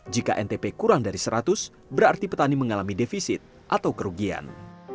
jika ntp kurang dari seratus berarti petani mengalami defisit atau kerugian